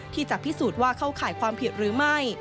ที่จะพิสูจน์ว่าเข้าข่ายความผิดหรือไม่